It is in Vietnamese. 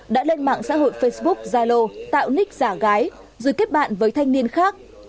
đã lên mạng xã hội facebook zalo tạo nick giả gái rồi kết bạn với thanh niên khác